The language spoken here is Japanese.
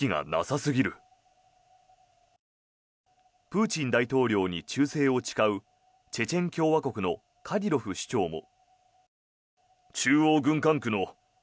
プーチン大統領に忠誠を誓うチェチェン共和国のカディロフ首長も。